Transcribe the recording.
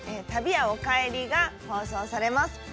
「旅屋おかえり」が放送されます。